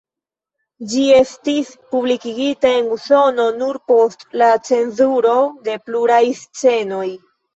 Ĝi estis publikigita en Usono nur post la cenzuro de pluraj scenoj.